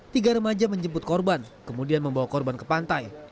tiga remaja menjemput korban kemudian membawa korban ke pantai